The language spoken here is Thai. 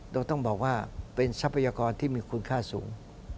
โดยต้องบอกว่าเป็นทรัพยากรที่มีคุณค่าสูง